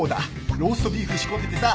ローストビーフ仕込んでてさ。